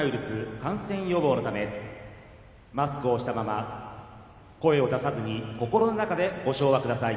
感染予防のためマスクをしたまま声を出さずに心の中でご唱和ください。